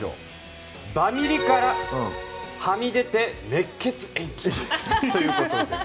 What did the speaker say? バミリからはみ出て熱血演技ということです。